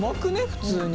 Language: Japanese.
普通に。